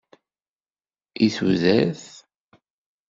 I tudert!